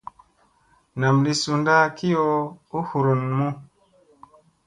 Nam li suunda kiyo u hurun mu.